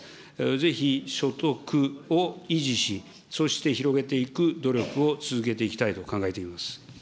ぜひ所得を維持し、そして、広げていく努力を続けていきたいと考